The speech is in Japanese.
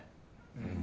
うん。